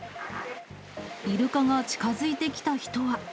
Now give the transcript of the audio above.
イルカが近づいてきた人は。